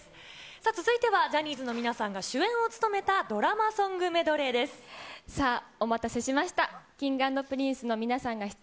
続いてはジャニーズの皆さんが主演を務めたドラマソングメドレーさあ、お待たせいたしました。